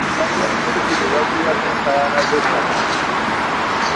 Bannabyabufuzi be baviirako enkaayana z'ettaka.